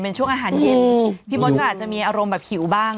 เป็นช่วงอาหารเย็นพี่มดก็อาจจะมีอารมณ์แบบหิวบ้าง